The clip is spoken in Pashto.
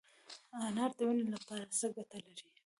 انار د وینې لپاره څه ګټه لري؟